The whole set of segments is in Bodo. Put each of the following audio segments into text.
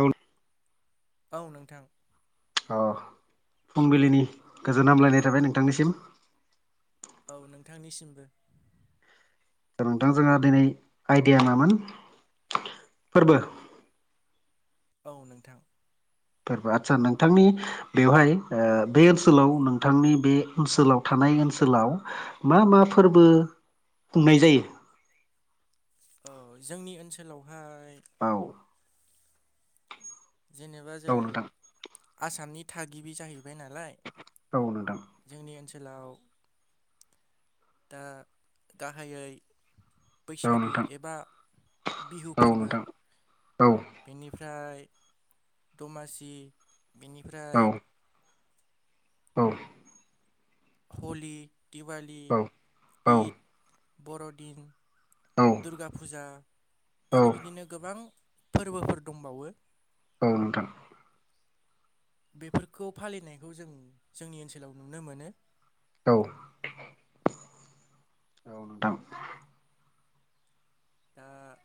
औ। औ नोंथां। अ फुंबिलिनि गोजोन हामलायनाय थाबाय नोंथांनिसिम। औ नोंथांनिसिमबो। दा नोंथां जोंहा दिनै आइडिया नामोन? फोरबो औ नोंथां। फोरबो आदसा नोंथांनि बेवहाय बे ओनसोलाव नोंथांनि बे ओनसोलाव थानाय ओनसोलाव मा मा फोरबो खुंनाय जायो? जोंनि ओनसोलावहाय। औ। जेनेबा जों औ नोंथां आसामनि थागिबि जाहैबाय नालाय। औ नोंथां। जोंनि ओनसोलाव ओ गाहायै औ बैसागु नोंथां एबा बिहु औ फोरबो नोंथां औ। बेनिफ्राय दमासि औ बेनिफ्राय हलि, दिवालि, औ इद, बर'दिन दुर्गा फुजा औ आरो बिदिनो गोबां फोरबोफोर दंबावो। ओं नोंथां। बेफोरखौ फालिनायखौ जों जोंनि ओनसोलाव नुनो मोनो। औ औ नोंथां दा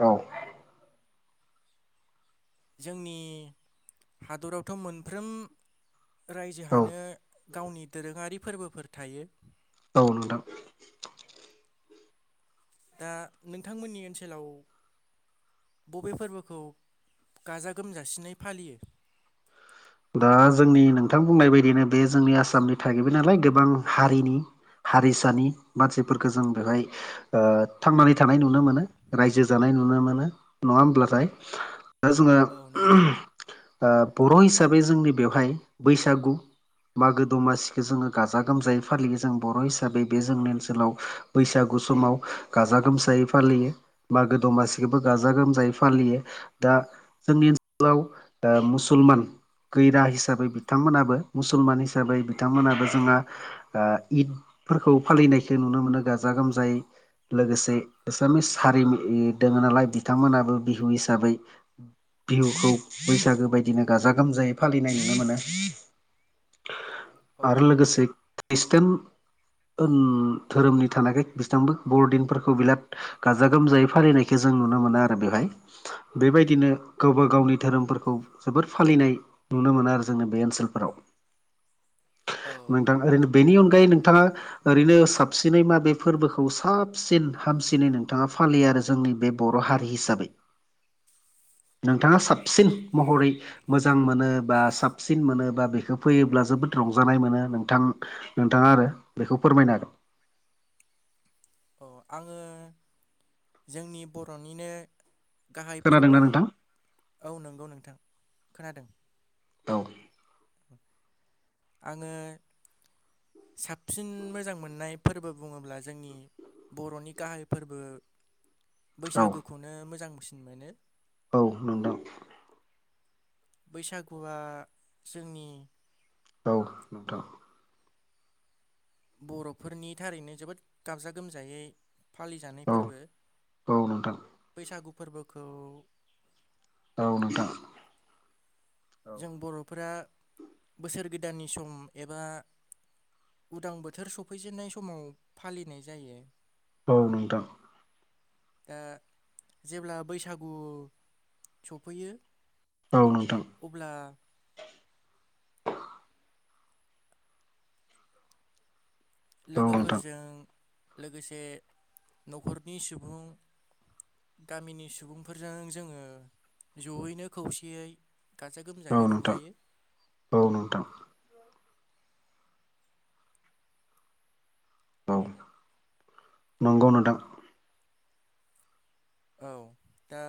औ जोंनि हादरावथ' मोनफ्रोम औ रायजोहानो गावनि दोरोङारि फोरबोफोर थायो। औ नोंथां। दा नोंथांमोननि ओनसोलाव बबे फोरबोखौ गाजा गोमजासिनै फालियो? दा जोंनि नोंथां बुंनाय बायदियनो बे जोंनि आसामनि थागिबि नालाय गोबां हारिनि हारिसानि मानसिफोरखौ जों बेहाय ओ थांनानै थानाय नुनो मोनो रायजो जानाय नुनो मोनो नङा होमब्लाथाय दा जोङो औ नंगौ बर' ओ हिसाबै जोंनि बेवहाय बैसागु मागो दमासिखौ जोङो गाजा गोमजायै फालियो जों बर' हिसाबै बे जोंनि ओनसोलाव। बैसागु समाव गाजा गोमजायै फालियो। मागो दमासिखौबो गाजा गोमजायै फालियो। दा जोंनि ओनसोलाव दा मुसलमान गैरा हिसाबै बिथांमोनाबो मुसलमान हिसाबै बिथांमोनाबो जोंहा। ओ-इद फोरफोरखौ फालिनायखौ नुनो मोनो गाजा गोमजायै। लोगोसे एसामिस हारिनि इ दङो नालाय। बिथांमोनाबो बिहु हिसाबै बिहुखौ बैसागो बायदिनो गाजा गोमजायै। फालिनाय नुनो मोनो। औ आरो लोगोसे खृषटान बुन-धोरोमनि थानायखाय खृष्टानबो बर'दिनफोरखौ बिलाद गाजा गोमजायै फालिनायखौ जों नुनो मोनो आरो बेवहाय। बेबायदिनो गावबा गावनि धोरोमफोरखौ जोबोर फालिनाय। नुनो मोनो आरो जोंनि बे ओनसोलफोराव। औ नोंथां ओरैनो बेनि अनगायै नोंथाङा। ओरैनो साबसिनै मा बे फोरबोखौ साबसिन हामसिनै नोंथाङा फालियो आरो जोंनि बे बर' हारि हिसाबै। नोंथाङा साबसिन महरै मोजां मोनो। बा साबसिन मोनो बा बेखौ फैयोब्ला जोबोद रंजानाय मोनो नोंथां। नोंथाङा आरो बेखौ फोरमायनो हागोन। औ आङो जोंनि बर'निनो गाहाय खोनादोंना फोरबो नोंथां औ नंगौ नोंथां खोनादों। औ। [unintelligible] आङो साबसिन मोजां मोननाय फोरबो बुङोब्ला जोंनि बर'नि गाहाय फोरबो औ बैसागुखौनो मोजांसिन मोनो। औ नोंथां। बैसागुआ जोंनि औ नोंथां बर'फोरनि थारैनो जोबोद गाबजा गोमजायै। फालिजानाय औ फोरबो औ नोंथां बैसागु फोरबोखौ औ नोंथां। औ जों बर'फोरा बोसोर गोदाननि सम एबा उदां बोथोर सफैजेननाय समाव फालिनाय जायो। औ नोंथां। ओ- जेब्ला बैसागु सफैयो औ नोंथां अब्ला औ नोंथां लोगोफोरजों लोगोसे न'खरनि सुबुं गामिनि सुबुंफोरजों जोङो जयैनो खौसेयै। गाजा औ गोमजायै नोंथां रंजायो। औ नोंथां। औ नंगौ नोंथां। औ दा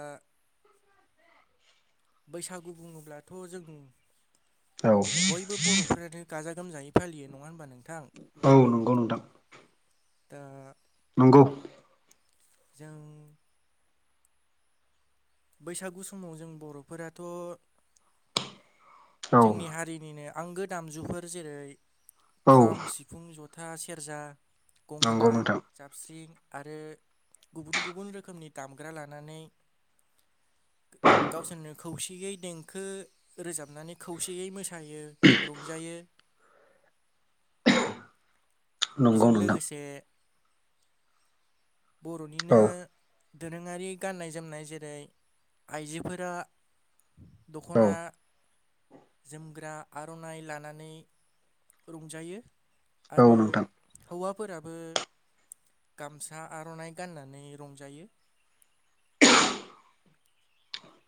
बैसागु बुङोब्लाथ' जों औ बयबो बर' फोरानो गाजा गोजायै फालियो नङा होनबा नोंथां? औ नंगौ नोंथां। दा नंगौ। जों बैसागु समाव जों बर'फोराथ'। औ जोंनि हारिनिनो आंगो दामजुफोर जेरै औ खाम सि फुं जथा सेरजा नंगौ गंगोना नोंथां साबस्रिं आरो गुबुन गुबुन रोखोमनि दामग्रा लानानै गावसोरनो खौसेयै देंखो रोजाबनानै खौसेयै मोस सायो रंजायो नंगौ बिजों नोंथां लोगोसे औ बर'निनो दोरोङारि गाननाय जोमनाय जेरै आइजोफोरा औ दख'ना जोमग्रा आर'नाइ लानानै रंजायो औ आरो नोंथां हौवाफोराबो गामसा आर'नाइ गाननानै रंजायो।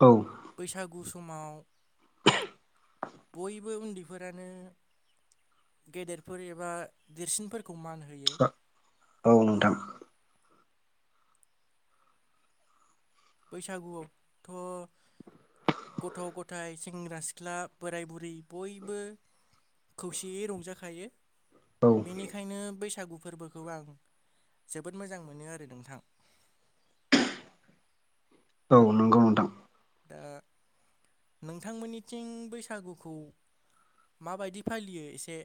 औ। बैसागु समाव बयबो उन्दै फोरानो गेदेरफोर एबा देरसिनफोरखौ मान होयो। औ नोंथां। बैसागुयाव थ' गथ' गथायाइ सेंग्रा सिख्ला बोराय बुरै बयबो खौसेयै रंजाखायो। औ बेनिखायनो बैसागु फोरबोखौ आं जोबोद मोजां मोनो आरो नोंथां। औ। नंगौ नोंथां दा नोंथांमोननिथिं बैसागुखौ माबायदि फालियो एसे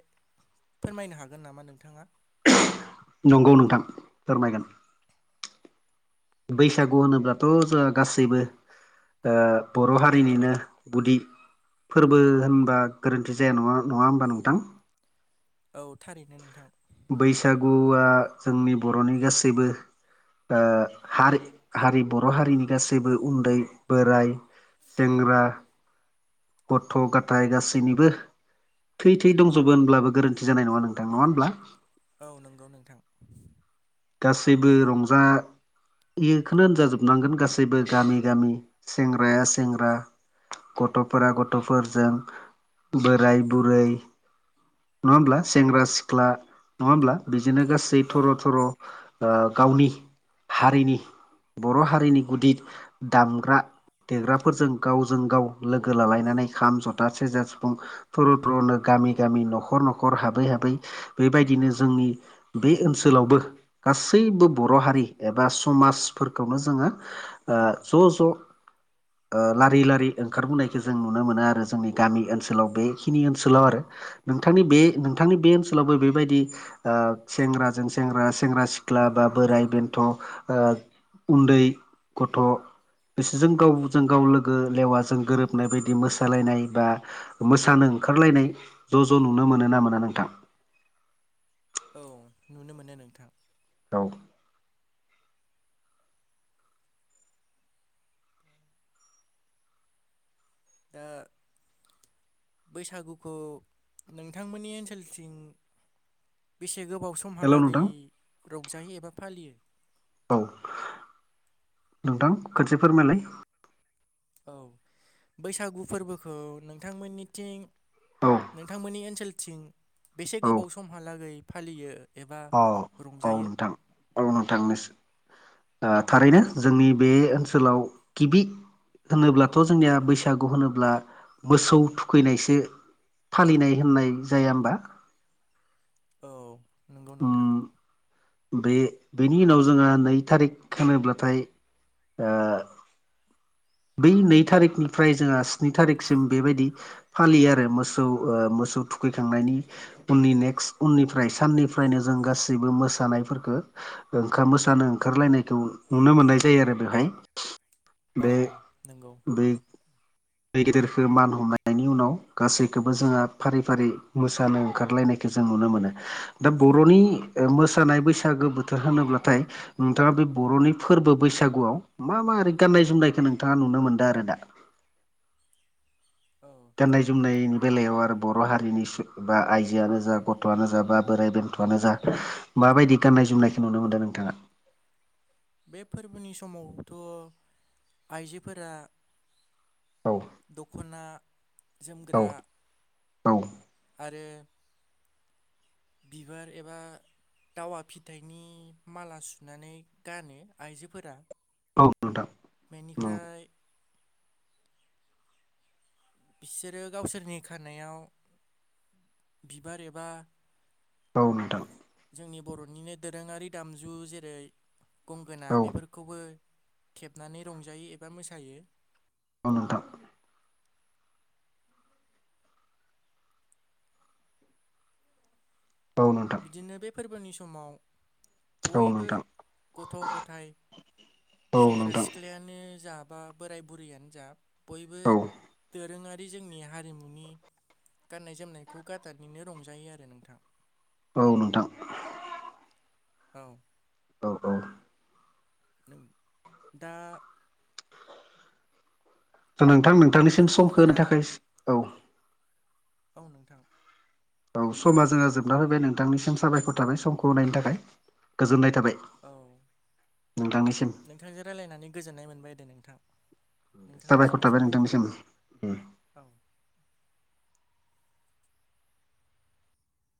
फोरमायनो हागोन नामा नोंथाङा? नंगौ नोंथां फोरमायगोन। बैसागु होनोब्लाथ' जों गासैबो ओ बर' हारिनिनो गुदि फोरबो होनबा गोरोन्थि जाया नङा नङा होमबा नोंथां? औ थारैनो नोंथां। बैसागुआ जोंनि बर'नि गासैबो ओ हारि हारि बर' हारिनि गासैबो उन्दै बोराइ सेंग्रा गथ' गथाय गासैनिबो थै थै दंजोबो होनब्लाबो गोरोन्थि जानाय नङा नोंथां नङा होनब्ला? औ नंगौ नोंथां। गासैबो रंजा यो खोनो होनजाजोबनांगोन गासैबो गामि गामि सेंग्राया सेंग्रा गथ'फोरा गथ'फोरजों बोराय बुरै नङा होमब्ला? सेंग्रा सिख्ला नङा होमब्ला? बिदिनो गासै औ थर' थर' ओ गावनि हारिनि बर' हारिनि गुदि दामग्रा देग्राफोरजों गावजों गाव लोगो लालायनानै खाम, जथा, सेरजा, सिफुं थुर' थुर'नो गामि गामि न'खर न'खर हाबै हाबै बेबायदिनो जोंनि बे ओनसोलावबो गासैबो बर' हारि एबा समाजफोरखौनो जोङो ओ ज' ज' ओ लारि लारि ओंखारबोनायखौ जों नुनो मोनो आरो जोंनि गामि ओनसोलाव बेखिनि ओनसोलाव आरो। नोंथांनि बे नोंथांनि बे ओनसोलावबो बेबायदि सेंग्राजों सेंग्रा सेंग्रा सिख्ला बा बोराइ बेन्थ' ओ उन्दै गथ' बिसोरजों गावजों गाव लोगो लेवाजों गोरोबनाय बायदि मोसालायनाय बा मोसानो ओंखारलायनाय ज' ज' नुनो मोनो ना मोना नोंथां? औ, नुनो मोनो नोंथां। औ। दा बैसागुखौ नोंथांमोननि ओनसोलथिं बेसे गोबाव हेल' समहालागै नोंथां रंजायोै एबा फालियो? औ नोंथां खनसे फोरमायलाय। औ बैसागु फोरबोखौ नोंथांमोननिथिं औ नोंथांमोननि ओनसोलथिं बेसे औ गोबाव समहालागै फालियो। एबा अ रंजायो? औ नोंथां नोस थारैनो जोंनि बे ओनसोलाव गिबि होनोब्लाथ' जोंनिया बैसागु होनोब्ला मोसौ थुखैनायसो फालिनाय होननाय जाया होमबा? औ। नंगौ नोंथां उम। बे बेनि उनाव जोंहा नै थारिख होनोब्लाथाय ओ बै नै थारिखनिफ्राय जोंहा स्नि थारिखसिम बेबायदि फालियो आरो मोसौ ओ मोसौ थुखैखांनायनि उननि नेक्स्ट उननिफ्राय साननिफ्रायनो जों गासैबो मोसानायफोरफोरखौ ओंखाम मोसानो ओंखारलायनायखौ नुनो मोननाय जायो आरो बेवहाय बे नोंगौ। बै दै गेदेरखौ मान हमनायनि उनाव गासैखौबो जोंहा फारि फारि मोसानो ओंखारलायनाय जों नुनो मोनो दा बर'नि मोसानाय बैसागो बोथोर होनोब्लाथाय नोंथाङा बे बर'नि फोरबो बैसागुआव मा मा ओरै गाननाय जोमनायखौ नोंथाङा नुनो मोनदों आरो दा? औ दनाय जोमनायनि बेलायाव आरो बर' हारिनि बा आइजोआनो जा गथ'आनो जा बा बोराइ बेन्थ'आनो जा माबायदि गाननाय जोमनायखौ नुनो मोनदों नोंथाङा? बे फोरबोनि समावथ' आइजोफोरा औ दख'ना औ जोमग्रा आरो बिबार एबा दावा फिथाइनि माला सुनानै गानो आइजोफोरा औ नोंथां औ। बेनिफ्राय बिसोरो गावसोरनि खारनायाव बिबार एबा औ नोंथां जोंनि बर'निनो दोरोङारि दामजु जेरै गंगोना औ नोंथां औ बेफोरखौबो थेबनानै रंजायो एबा मोसायो। औ नोंथा। औ। नोंथां बिदिनो बे फोरबोनि समाव औ बयबो नोंथां गथ' गथाय औ सेंग्रा नोंथां सिख्लायानो जा बा बोराय बुरैयानो जा बयबो औ दोरोङारि ब जोंनि हारिमुनि गाननाय जोमनायखौ गाथारनिनो रंजायो आरो नोंथां। औ नोंथां। औ। औ औ। नों दा? ' नोंथां नों फोरबोफोरा औ नोंथां। औ समा जोंहा जोबना फैबाय नोंथांनिसिम साबायखर थाबाय समखौ होनायनि थाखाय गोजोननाय थाबाय। औ नोंथांनिसिम नोंथांजों रायजलायनानै गोजोननाय मोनबाय दे नोंथां। नोंथांनिसिमबो थाबाय साबायखर नोंथांनिसिम। उम औ।